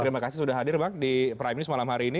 terima kasih sudah hadir bang di prime news malam hari ini